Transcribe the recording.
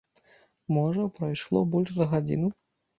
Можа, прайшло больш за гадзіну.